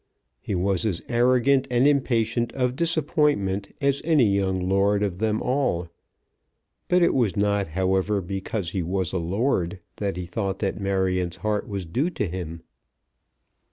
He was as arrogant and impatient of disappointment as any young lord of them all, but it was not, however, because he was a lord that he thought that Marion's heart was due to him.